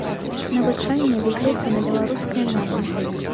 Навучанне вядзецца на беларускай мове.